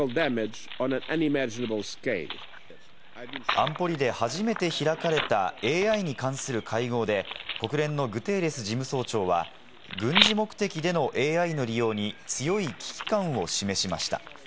安保理で初めて開かれたＡＩに関する会合で国連のグテーレス事務総長は軍事目的でのＡＩの利用に強い危機感を示しました。